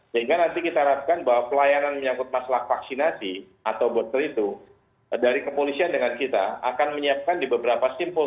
sehingga nanti kita harapkan bahwa pelayanan menyangkut masalah vaksinasi atau booster itu dari kepolisian dengan kita akan menyiapkan di beberapa simpul